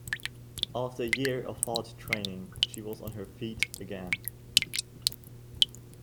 After a year of hard training, she was on her feet again.